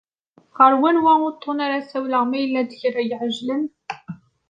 Ɣer wanwa uṭṭun ara ssawleɣ ma yella-d kra iεeǧlen?